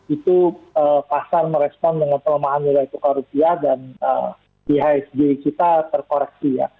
itu pasar merespon dengan pelemahan nilai tukar rupiah dan ihsg kita terkoreksi ya